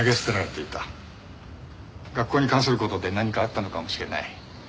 学校に関する事で何かあったのかもしれない。